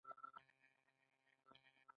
د فرنسیم تر ټولو نادر الکالین فلز دی.